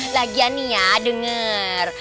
lagi ya nih ya denger